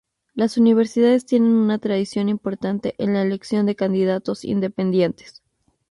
Las universidades tienen una tradición importante en la elección de candidatos independientes.